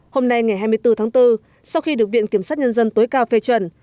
hôm nay ngày hai mươi bốn tháng bốn sau khi được viện kiểm sát nhân dân tối cao phê chuẩn